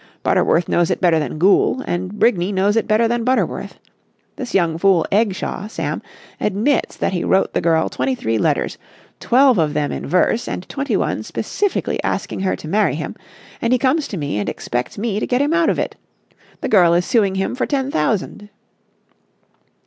Butterworth knows it better than Goole, and Brigney knows it better than Butterworth. This young fool, Eggshaw, Sam, admits that he wrote the girl twenty three letters, twelve of them in verse, and twenty one specifically asking her to marry him, and he comes to me and expects me to get him out of it. The girl is suing him for ten thousand."